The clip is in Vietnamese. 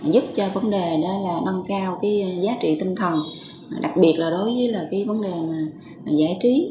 giúp cho vấn đề nâng cao giá trị tinh thần đặc biệt là đối với vấn đề giải trí